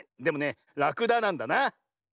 でもねラクダなんだな。